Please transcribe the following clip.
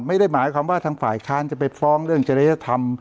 ไม่ได้หมายความว่าทางฝ่ายค้านจะไปฟ้องเรื่องจริยธรรม